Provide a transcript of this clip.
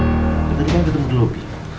tadi kan ketemu di lobi